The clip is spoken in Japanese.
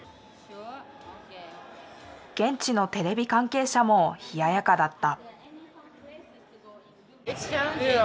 現地のテレビ関係者も冷ややかだった。